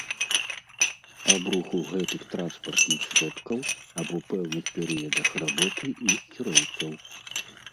Аб руху гэтых транспартных сродкаў або пэўных перыядах работы іх кіроўцаў